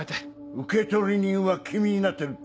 受取人は君になってるって？